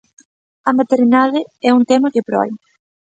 A maternidade é un tema que proe.